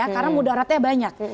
karena mudaratnya banyak